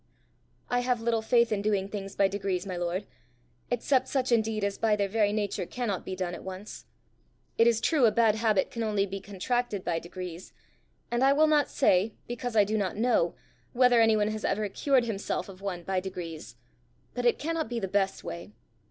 "I have little faith in doing things by degrees, my lord except such indeed as by their very nature cannot be done at once. It is true a bad habit can only be contracted by degrees; and I will not say, because I do not know, whether anyone has ever cured himself of one by degrees; but it cannot be the best way.